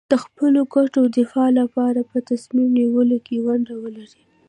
د خپلو ګټو د دفاع لپاره په تصمیم نیونه کې ونډه ولري.